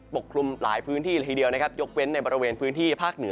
กลุ่มหลายพื้นที่ละทีเดียวนะครับยกเว้นในบริเวณพื้นที่ภาคเหนือ